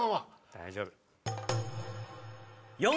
大丈夫。